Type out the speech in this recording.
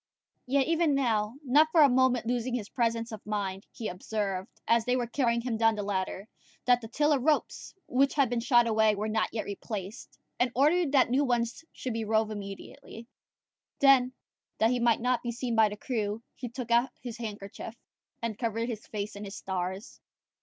Yet even now, not for a moment losing his presence of mind, he observed, as they were carrying him down the ladder, that the tiller ropes, which had been shot away, were not yet replaced, and ordered that new ones should be rove immediately: then, that he might not be seen by the crew, he took out his handkerchief, and covered his face and his stars.